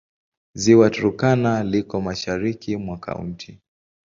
Ziwa Turkana liko mashariki mwa kaunti.